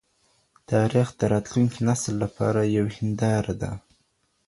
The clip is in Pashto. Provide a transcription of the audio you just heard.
تاریخ د راتلونکي نسل لپاره یو هینداره ده.